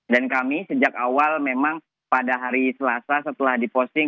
dan kami sejak awal memang pada hari selasa setelah diposting